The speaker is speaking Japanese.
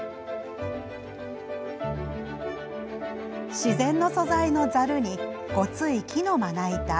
自然の素材のざるにごつい木のまな板。